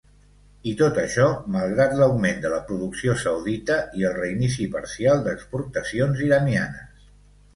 I tot això, malgrat l'augment de la producció saudita i el reinici parcial d'exportacions iranianes.